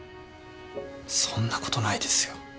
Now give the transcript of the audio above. そんなことないですよ。